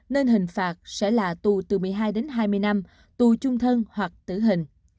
nên hình phạt sẽ là tù từ một mươi hai đến hai mươi năm tù chung thân hoặc tử hình